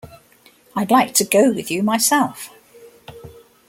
I'd like to go with you myself.